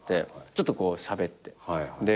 ちょっとこうしゃべって。